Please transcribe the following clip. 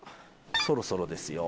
そろそろですよ。